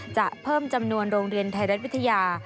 จะเพิ่มจำนวนโรงเรียนไทยรัฐวิทยา